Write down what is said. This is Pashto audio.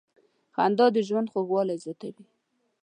• خندا د ژوند خوږوالی زیاتوي.